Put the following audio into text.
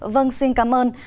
vâng xin cảm ơn